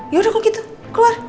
yaudah kok gitu keluar